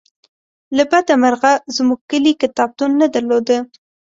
له بده مرغه زمونږ کلي کتابتون نه درلوده